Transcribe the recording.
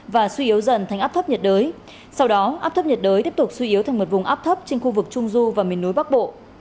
và suy yếu dần thành áp thấp nhiệt đới sau đó áp thấp nhiệt đới tiếp tục suy yếu thành một vùng áp thấp trên khu vực trung du và miền núi bắc bộ